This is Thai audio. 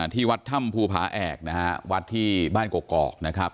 ที่วัดถ้ำภูผาแอกนะฮะวัดที่บ้านกอกนะครับ